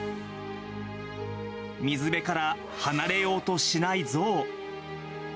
水辺から離れようとしない象。